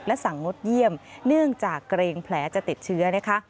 สั่งงดเยี่ยมเนื่องจากเกรงแผลจะติดเชื้อนะคะ